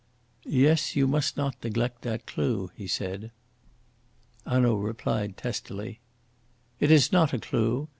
"Yes, you must not neglect that clue," he said. Hanaud replied testily: "It is not a clue. M.